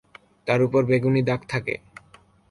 তার ওপর বেগুনী দাগ থাকে।